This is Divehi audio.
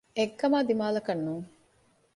އެއްގަމާ ދިމާލަކަށް ނޫން